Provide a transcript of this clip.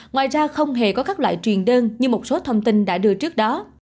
ngoài ra không hề có các loại truyền đơn như một số thông tin đã đưa trước đó